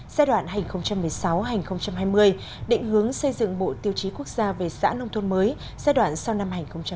giai đoạn hai nghìn một mươi sáu hai nghìn hai mươi định hướng xây dựng bộ tiêu chí quốc gia về xã nông thôn mới giai đoạn sau năm hai nghìn hai mươi